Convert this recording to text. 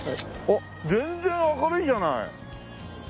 全然明るいじゃない。